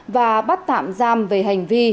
và bắt tạm giam về hành vi